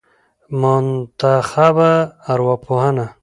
منتخبه ارواپوهنه